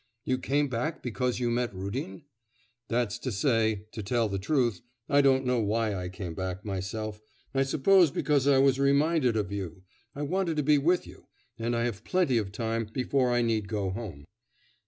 'You came back because you met Rudin?' 'That's to say, to tell the truth, I don't know why I came back myself, I suppose because I was reminded of you; I wanted to be with you, and I have plenty of time before I need go home.